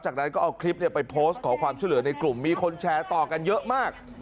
จากนั้นก็เอาคลิปไปโพสต์ขอความช่วยเหลือในกลุ่มมีคนแชร์ต่อกันเยอะมาก